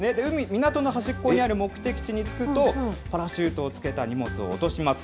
港の目的地に着くと、パラシュートをつけた荷物を落とします。